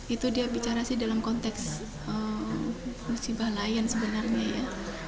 itu dia bicara sih dalam konteks musibah lain sebenarnya ya